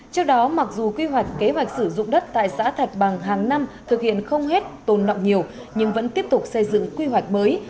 trước đó mặc dù quy hoạch kế hoạch sử dụng đất tại xã thạch bằng hàng năm thực hiện không hết tồn nọng nhiều nhưng vẫn tiếp tục xây dựng quy hoạch mới